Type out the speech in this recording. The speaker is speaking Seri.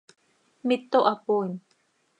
¡Mito hapooin!